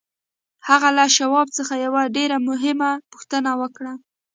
هغه له شواب څخه یوه ډېره مهمه پوښتنه وکړه